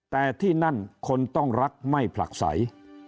แต่ที่นั่นคนต้องรักไม่ผลักใส